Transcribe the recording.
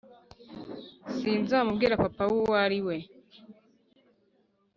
Sinzamubwira papa we uwo ariwe